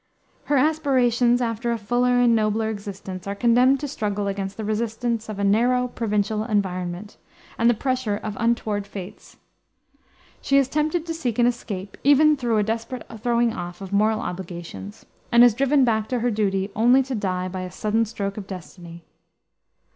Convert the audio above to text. Her aspirations after a fuller and nobler existence are condemned to struggle against the resistance of a narrow, provincial environment, and the pressure of untoward fates. She is tempted to seek an escape even through a desperate throwing off of moral obligations, and is driven back to her duty only to die by a sudden stroke of destiny.